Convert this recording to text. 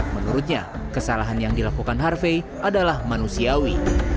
menurutnya kesalahan yang dilakukan harvey adalah manusiawi